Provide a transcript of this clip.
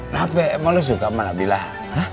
nah be emang lu suka sama nabilah